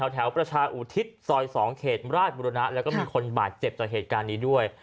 แถวประชาอุทิศซอย๒เขตราชบุรณะแล้วก็มีคนบาดเจ็บจากเหตุการณ์นี้ด้วย